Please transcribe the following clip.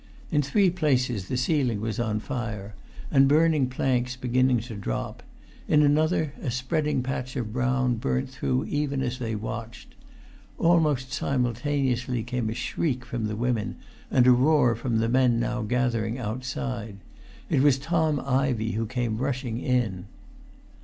In three places the ceiling was on fire, and burning planks beginning to drop; in another a spreading patch of brown burnt through even as they watched. Almost simultaneously came a shriek from the women and a roar from the men now gathering outside; it was Tom Ivey who came rushing in.